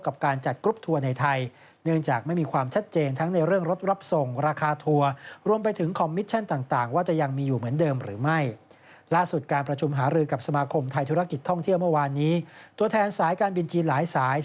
กับการจัดกรุ๊ปทัวร์ในไทย